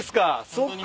そっか。